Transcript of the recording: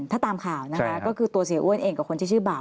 ถ้าตามข่าวนะคะก็คือตัวเสียอ้วนเองกับคนที่ชื่อบ่าว